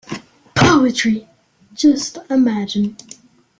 Poetry, just imagine!